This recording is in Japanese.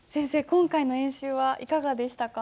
今回の演習はいかがでしたか？